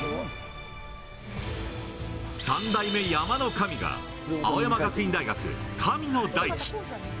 ３代目山の神が、青山学院大学、神野大地。